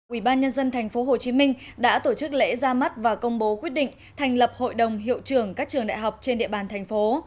ủy ban nhân dân tp hcm đã tổ chức lễ ra mắt và công bố quyết định thành lập hội đồng hiệu trưởng các trường đại học trên địa bàn thành phố